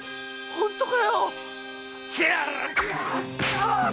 本当かよ